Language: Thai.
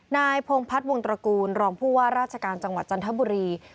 นายพงพัฒน์วงตระกูลรองผู้ว่าราชการจังหวัดจันทบุรี